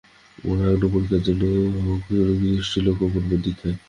মোর অগ্নিপরীক্ষায় ধন্য হোক বিশ্বলোক অপূর্ব দীক্ষায়।